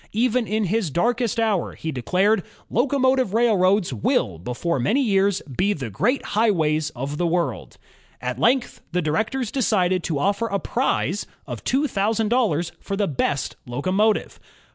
Even in his darkest hour, he declared: '* Locomotive railroads will, before many years, be the great highways of the world." At length the directors decided to offer a prize of two thousand dollars for the best locomotive.